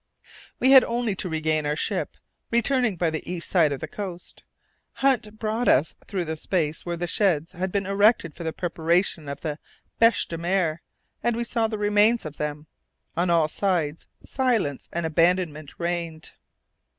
We had only to regain our ship, returning by the east side of the coast. Hunt brought us through the space where sheds had been erected for the preparation of the bêche de mer, and we saw the remains of them. On all sides silence and abandonment reigned.